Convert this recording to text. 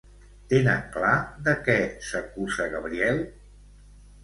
Tenen clar de què s'acusa Gabriel?